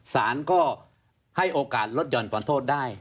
ศาลก็ให้โอกาสลดยนต์ผลโทษได้